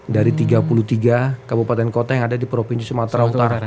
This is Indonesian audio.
dari tiga puluh tiga kabupaten kota yang ada di provinsi sumatera utara